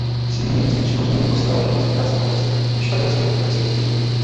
Svým německým příbuzným posílala dokonce i vzácné obrazy ze španělské umělecké sbírky.